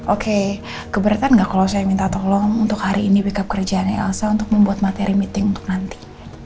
oke keberatan nggak kalau saya minta tolong untuk hari ini backup kerjaannya elsa untuk membuat materi meeting untuk nanti